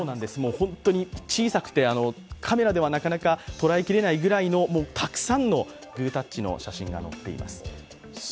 本当に小さくて、カメラではなかなか捉えきれないぐらいのたくさんのグータッチの写真が載っています。